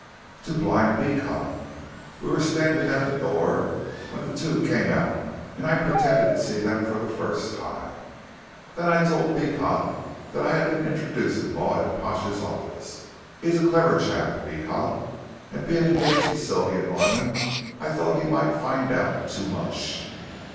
"To blind Beecot. We were standing at the door when the two came out, and I pretended to see them for the first time. Then I told Beecot that I had been introduced to Maud at Pash's office. He's a clever chap, Beecot, and, being engaged to Sylvia Norman, I thought he might find out too much."